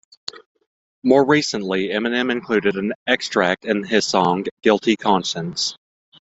More recently, Eminem included an extract in his song, "Guilty Conscience".